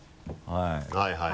はいはい。